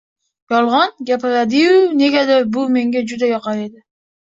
Yolg‘on gapirardiyu negadir bu menga juda yoqar edi.